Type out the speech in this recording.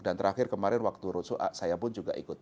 dan terakhir kemarin waktu rotsu saya pun juga ikut